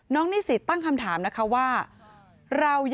นิสิตตั้งคำถามนะคะว่า